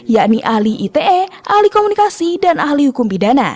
yakni ahli ite ahli komunikasi dan ahli hukum pidana